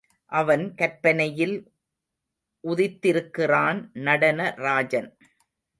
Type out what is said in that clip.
அவன் கற்பனையில் உதித்திருக்கிறான் நடன ராஜன்.